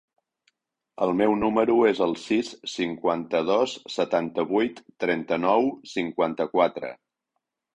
El meu número es el sis, cinquanta-dos, setanta-vuit, trenta-nou, cinquanta-quatre.